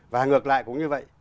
và ngược lại cũng như vậy